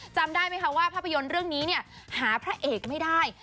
จำได้ไหมคะว่าภาพยนตร์เรื่องนี้เนี่ยหาพระเอกไม่ได้